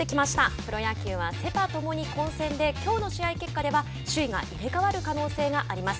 プロ野球はセパともに混戦できょうの試合結果では首位が入れ代わる可能性があります。